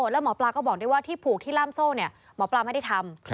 แล้วหมอปลาก็บอกด้วยว่าที่ผูกที่ล่ามโซ่หมอปลาไม่ได้ทำ